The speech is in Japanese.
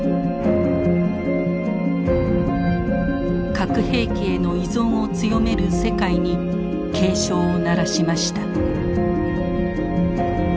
核兵器への依存を強める世界に警鐘を鳴らしました。